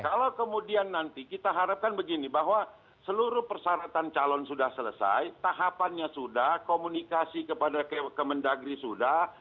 kalau kemudian nanti kita harapkan begini bahwa seluruh persyaratan calon sudah selesai tahapannya sudah komunikasi kepada kemendagri sudah